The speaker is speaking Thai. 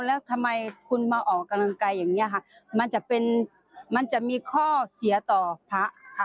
แล้วทำไมคุณมาออกกำลังกายอย่างนี้มันจะมีข้อเสียต่อพระ